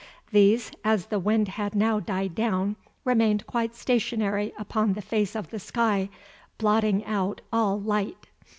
These, as the wind had now died down, remained quite stationary upon the face of the sky, blotting out all light.